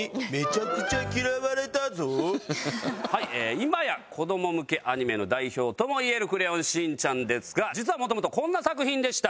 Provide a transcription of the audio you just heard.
今や子ども向けアニメの代表ともいえる『クレヨンしんちゃん』ですが実は元々こんな作品でした。